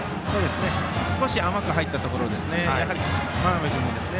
少し甘く入ったところですね。